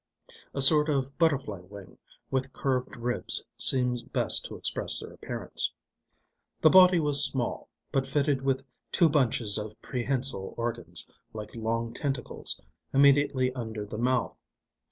(A sort of butterfly wing with curved ribs seems best to express their appearance.) The body was small, but fitted with two bunches of prehensile organs, like long tentacles, immediately under the mouth.